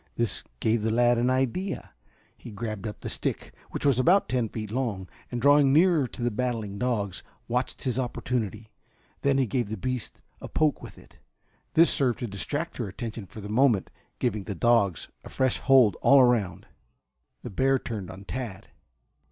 This gave the lad an idea. He grabbed up the stick, which was about ten feet long, and drawing near to the battling dogs, watched his opportunity. Then he gave the beast a poke with it. This served to distract her attention for the moment, giving the dogs a fresh hold all around. [Illustration: The Bear Turned on Tad.